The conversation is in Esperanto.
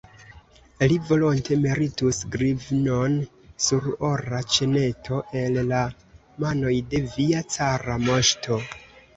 Li volonte meritus grivnon sur ora ĉeneto el la manoj de via cara moŝto.